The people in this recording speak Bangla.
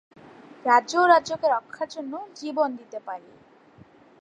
রাজ্য ও রাজাকে রক্ষার জন্যে জীবন পর্যন্ত দিতে পারে।